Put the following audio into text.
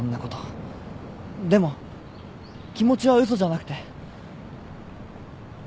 でも気持ちは嘘じゃなくて。